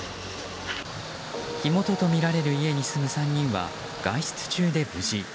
火元とみられる家に住む３人は外出中で無事。